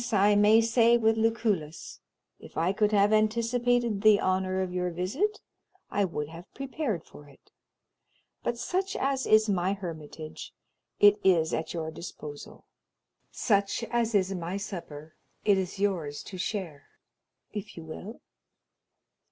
I may say with Lucullus, if I could have anticipated the honor of your visit, I would have prepared for it. But such as is my hermitage, it is at your disposal; such as is my supper, it is yours to share, if you will.